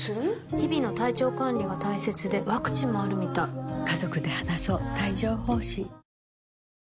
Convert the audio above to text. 日々の体調管理が大切でワクチンもあるみたいＴ。